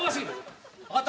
分かった？